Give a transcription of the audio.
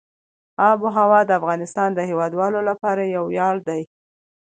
آب وهوا د افغانستان د هیوادوالو لپاره یو ویاړ دی.